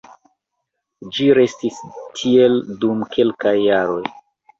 Ĝi restis tiel dum kelkaj jaroj.